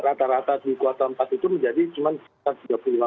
rata rata di kuartal empat itu menjadi cuma